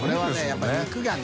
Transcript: やっぱり肉がね。